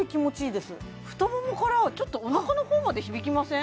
太ももからちょっとお腹のほうまで響きません？